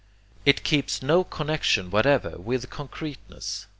It keeps no connexion whatever with concreteness.